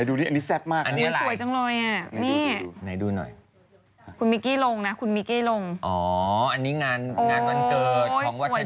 ดูดิหน้าเต้นเต๊ะเลยคุณแม่ดู